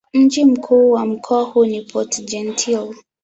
Mji mkuu wa mkoa huu ni Port-Gentil.